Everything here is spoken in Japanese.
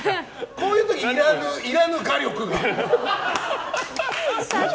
こういう時いらぬ画力が。